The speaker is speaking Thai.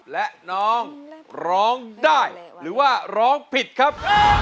และน้องร้องได้หรือว่าร้องผิดครับ